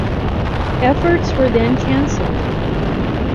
Efforts were then cancelled.